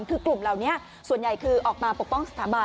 คือกลุ่มเหล่านี้ส่วนใหญ่คือออกมาปกป้องสถาบัน